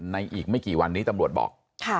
อีกไม่กี่วันนี้ตำรวจบอก